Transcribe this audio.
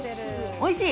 おいしい。